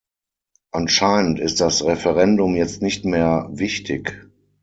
Anscheinend ist das Referendum jetzt nicht mehr wichtig.